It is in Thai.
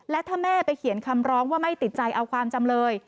และถ้าแม่ไปเขียนคำร้องว่าไม่ติดใจเอาความจำเลย